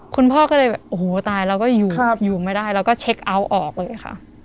คุณพ่อก็เลยแบบโอ้โหตายเราก็อยู่อยู่ไม่ได้เราก็เช็คเอาท์ออกเลยค่ะ